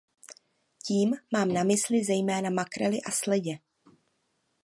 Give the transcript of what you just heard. Tím mám na mysli zejména makrely a sledě.